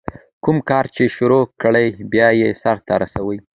کوم کار چي شروع کړې، بیا ئې سر ته رسوه.